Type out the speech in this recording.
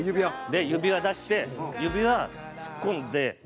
で指輪出して指輪突っ込んで。